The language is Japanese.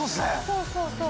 そうそうそう。